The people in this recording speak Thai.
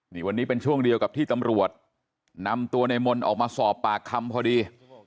นี่วันนี้เป็นช่วงเดียวกับที่ตำรวจนำตัวในมนต์ออกมาสอบปากคำพอดี